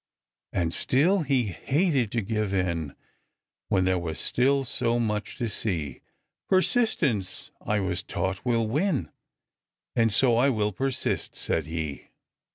And still he hated to give in When there was still so much to see. "Persistence, I was taught, will win, And so I will persist," said he.